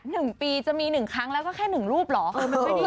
หนึ่งปีจะมีหนึ่งครั้งแล้วก็แค่หนึ่งรูปเหรอ